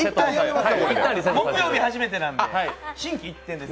木曜日初めてなんで、心機一転です。